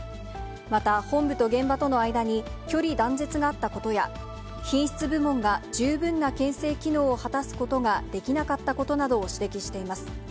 また、本部と現場との間に距離断絶があったことや、品質部門が十分なけん制機能を果たすことができなかったことなどを指摘しています。